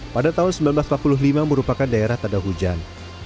pada tahun seribu sembilan ratus empat puluh lima merupakan daerah tanda hujan